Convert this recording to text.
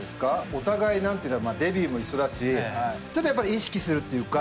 お互いデビューも一緒だしちょっとやっぱり意識するっていうか。